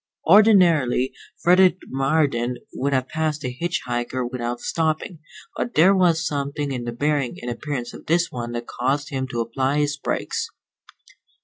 Ordinarily Frederick Marden would have passed a hitch hiker without stopping, but there was something in the bearing and appearance of this one that caused him to apply his brakes.